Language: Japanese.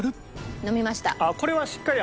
飲みました。